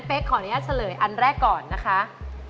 ขออนุญาตเฉลยอันแรกก่อนนะคะ